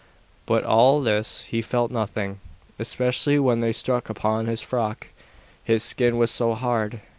But of all this he felt nothing, especially when they struck upon his frock, his skin was so hard.